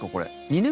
２年？